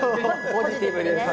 ポジティブにね。